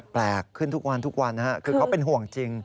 แปลกขึ้นทุกวันคือเขาเป็นห่วงจริง